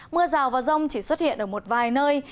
mưa rào và rông chỉ xuất hiện ở một vài nơi